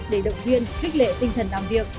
để động viên khích lệ tinh thần làm việc